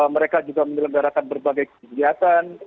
mereka juga menyelenggarakan berbagai kegiatan